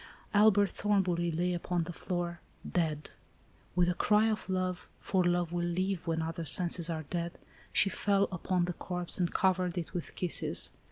Albert Thornbury lay upon the floor, dead. With a cry of love, for love will live when other senses are dead, she fell upon the corpse and covered it with kisses.